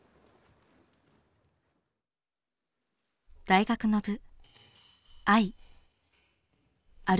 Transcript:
大学の部。